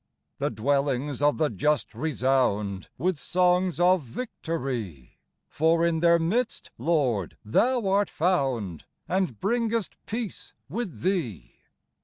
The dwellings of the just resound With songs of victory ; For in their midst, Lord, Thou art found, And bringest peace with thee.